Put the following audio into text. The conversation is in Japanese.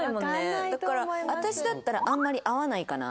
だから私だったらあんまり会わないかな。